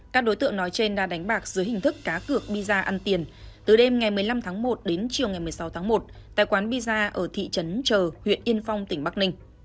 các đối tượng nói trên đã đánh bạc dưới hình thức cá cược đi ra ăn tiền từ đêm ngày một mươi năm tháng một đến chiều ngày một mươi sáu tháng một tại quán pizza ở thị trấn chờ huyện yên phong tỉnh bắc ninh